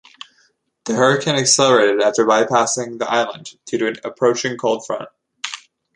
The hurricane accelerated after bypassing the island due to an approaching cold front.